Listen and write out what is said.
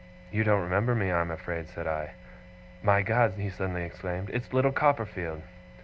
'You don't remember me, I am afraid,' said I. 'My God!' he suddenly exclaimed. 'It's little Copperfield!